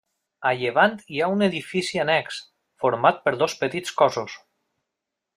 A llevant hi ha un edifici annex, format per dos petits cossos.